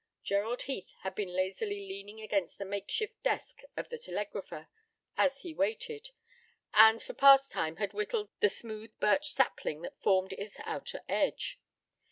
Gerald Heath had been lazily leaning against the makeshift desk of the telegrapher, as he waited, and for pastime had whittled the smooth birch sapling that formed its outer edge.